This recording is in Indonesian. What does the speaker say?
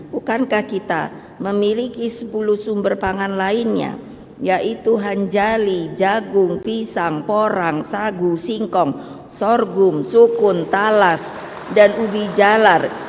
bukankah kita memiliki sepuluh sumber pangan lainnya yaitu hanjali jagung pisang porang sagu singkong sorghum sukun talas dan ubi jalar